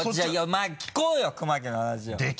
まぁ聞こうよ熊木の話を。